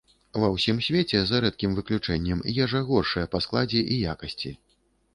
Ва ўсім свеце, за рэдкім выключэннем, ежа горшая па складзе і якасці.